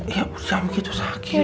iya udah jangan begitu sakit